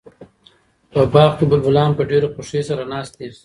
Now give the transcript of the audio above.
په باغ کې بلبلان په ډېره خوښۍ سره ناست دي.